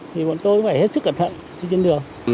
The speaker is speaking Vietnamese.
thì bọn tôi phải hết sức cẩn thận trên đường